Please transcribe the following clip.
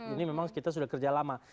ini memang kita sudah kerja lama